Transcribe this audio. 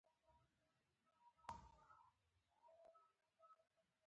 د “کښېنه” لپاره سل لنډې جملې: